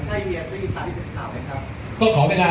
ให้เฮียตี้สาธิตเป็นข่าวไหมครับ